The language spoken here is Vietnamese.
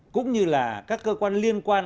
cũng như là các cơ quan liên quan